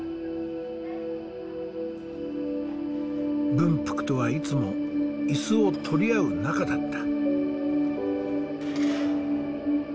文福とはいつも椅子を取り合う仲だった。